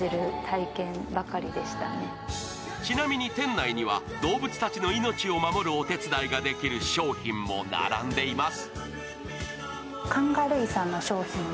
ちなみに店内には動物たちの命を守お手伝いができる商品も並んでいます。